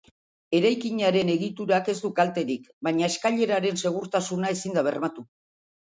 Eraikinaren egiturak ez du kalterik, baina eskaileraren segurtasuna ezin da bermatu.